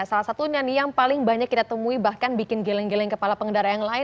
salah satunya nih yang paling banyak kita temui bahkan bikin geleng geleng kepala pengendara yang lain